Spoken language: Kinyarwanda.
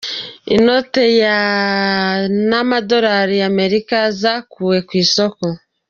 Inote ya ,,, n’ z’amadolari y’amerika zakuwe ku isoko.